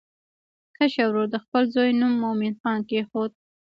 کشر ورور د خپل زوی نوم مومن خان کېښود.